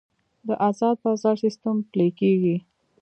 د ازاد بازار سیستم پلی کیږي